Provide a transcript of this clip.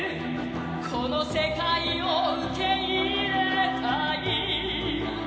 この世界を受け入れたい